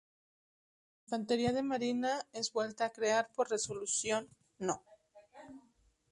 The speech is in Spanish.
La infantería de marina es vuelta a crear por Resolución No.